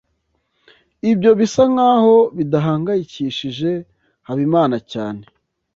Ibyo bisa nkaho bidahangayikishije Habimana cyane.